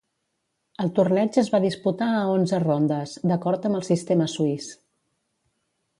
El torneig es va disputar a onze rondes, d'acord amb el sistema suís.